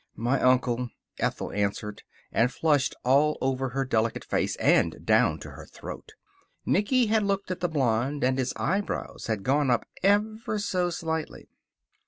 "My uncle," Ethel answered, and flushed all over her delicate face, and down to her throat. Nicky had looked at the blonde, and his eyebrows had gone up ever so slightly.